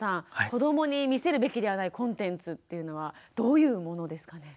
子どもに見せるべきではないコンテンツっていうのはどういうものですかね？